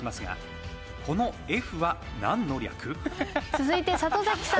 続いて里崎さん。